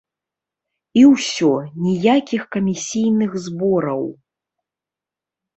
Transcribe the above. І ўсё, ніякіх камісійных збораў!